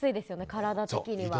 体的には。